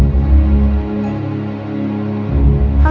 ห้องน้ำซุ่มครับ